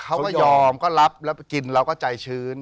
เขาก็ยอมก็รับแล้วกินเราก็ใจชื้น